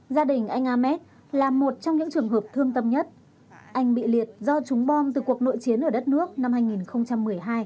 gia đình anh ames là một trong những trường hợp thương tâm nhất anh bị liệt do chúng bom từ cuộc nội chiến ở đất nước năm hai nghìn một mươi hai